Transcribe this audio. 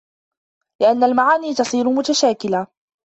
لِأَنَّ الْمَعَانِيَ تَصِيرُ مُتَشَاكِلَةً